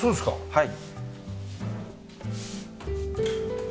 はい。